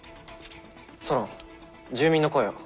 「ソロン住民の声を」。